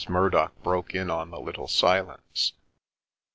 Murdock broke in on the little silence.